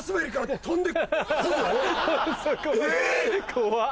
怖っ。